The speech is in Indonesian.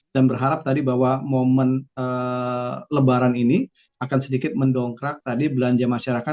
dan berharap tadi bahwa momen lebaran ini akan sedikit mendongkrak tadi belanja masyarakat